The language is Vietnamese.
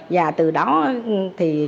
và từ đó thì